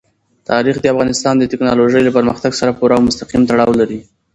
تاریخ د افغانستان د تکنالوژۍ له پرمختګ سره پوره او مستقیم تړاو لري.